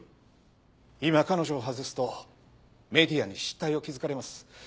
今彼女を外すとメディアに失態を気づかれます。